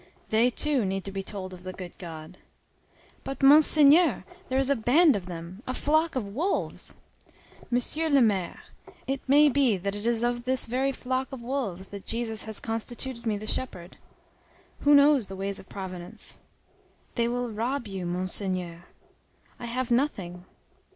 They, too, need to be told of the good God." "But, Monseigneur, there is a band of them! A flock of wolves!" "Monsieur le maire, it may be that it is of this very flock of wolves that Jesus has constituted me the shepherd. Who knows the ways of Providence?" "They will rob you, Monseigneur." "I have nothing."